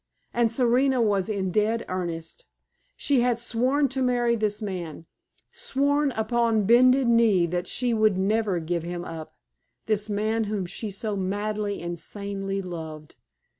And Serena was in dead earnest. She had sworn to marry this man sworn upon bended knee that she would never give him up this man whom she so madly, insanely loved.